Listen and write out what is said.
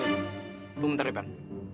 tunggu ntar ya pan